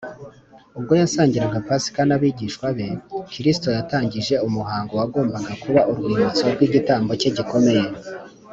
ubwo yasangiraga pasika n’abigishwa be, kristo yatangije umuhango wagombaga kuba urwibutso rw’igitambo cye gikomeye